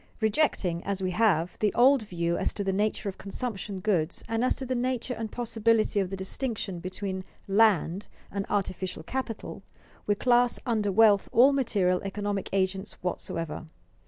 Rejecting, as we have, the old view as to the nature of consumption goods and as to the nature and possibility of the distinction between "land" and artificial capital, we class under wealth all material economic agents whatsoever.